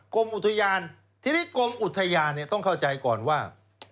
กรมอุทยานทีนี้กรมอุทยานต้องเข้าใจก่อนว่า